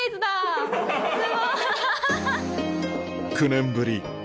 ９年ぶり